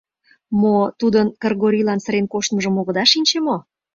Мо, тудын Кыргорийлан сырен коштмыжым огыда шинче мо?